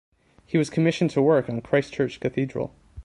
He was commissioned to work on Christchurch Cathedral.